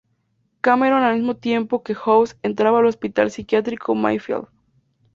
Cameron al mismo tiempo que House entraba al hospital psiquiátrico Mayfield.